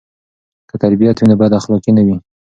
که تربیت وي نو بداخلاقي نه وي.